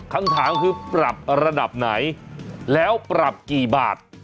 คำถามคือปรับระดับไหนแล้วปรับกี่บาท